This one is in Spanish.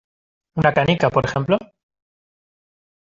¿ una canica, por ejemplo?